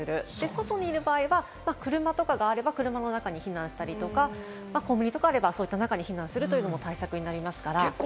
外にいる場合は車とかがあれば車の中に避難したり、コンビニとかあれば、そういった中に避難するのも対策になります。